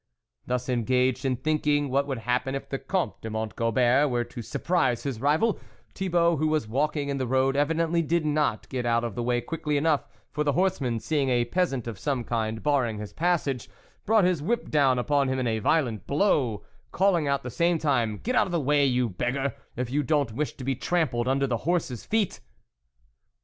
" Thus engaged in thinking what would happen if the Comte de Mont Gobert were to surprise his rival, Thibault, who was walking in the road, evidently did not get out of the way quickly enough, for the horseman, seeing a peasant of some kind barring his passage, brought his whip down upon him in a violent blow, calling out at the same time : 44 Get out of the way, you beggar, if you don't wish to be trampled under the horse's feet